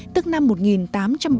tức năm một nghìn tám trăm ba mươi chín